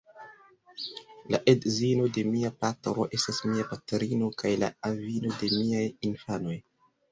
La edzino de mia patro estas mia patrino kaj la avino de miaj infanoj.